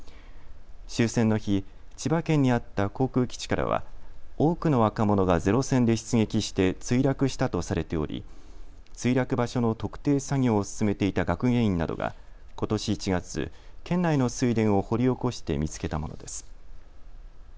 終戦の日、千葉県にあった航空基地からは多くの若者がゼロ戦で出撃して墜落したとされており墜落場所の特定作業を進めていた学芸員などがことし１月、県内の水田を掘り起こして見つけたものです。